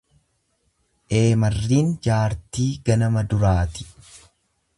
Eemarriin jaartii ganama duraati.